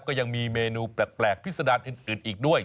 ก็ยังมีเมนูแปลกพิษดารอื่นอีกด้วย